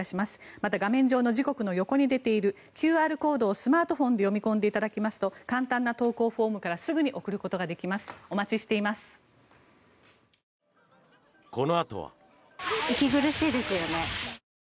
また、画面上の時刻の横に出ているＱＲコードをスマートフォンで読み込んでいただきますと簡単な投稿フォームからすぐに送ることができます。